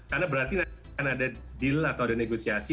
karena berarti kan ada deal atau ada negosiasi